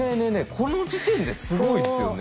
この時点ですごいですよね。